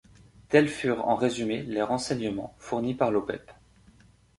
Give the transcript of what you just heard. Tels furent, en résumé, les renseignements, fournis par Lopèpe.